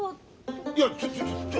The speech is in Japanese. いやちょちょちょ。